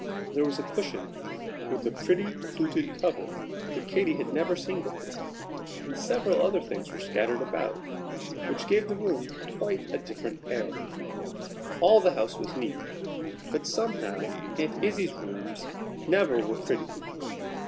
There was a cushion with a pretty fluted cover, that Katy had never seen before, and several other things were scattered about, which gave the room quite a different air. All the house was neat, but somehow Aunt Izzie's rooms never were pretty.